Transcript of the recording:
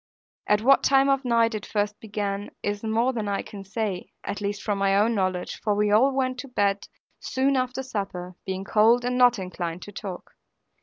At what time of night it first began is more than I can say, at least from my own knowledge, for we all went to bed soon after supper, being cold and not inclined to talk.